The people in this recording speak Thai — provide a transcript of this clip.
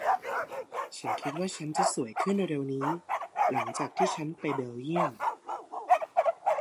ฉันคิดว่าฉันจะสวยขึ้นเร็ว ๆ นี้หลังจากที่ฉันไปเบลเยี่ยม